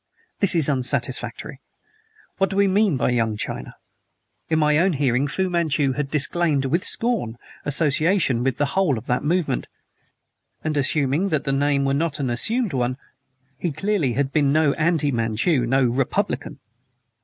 This is unsatisfactory. What do we mean by Young China? In my own hearing Fu Manchu had disclaimed, with scorn, association with the whole of that movement; and assuming that the name were not an assumed one, he clearly can have been no anti Manchu, no Republican.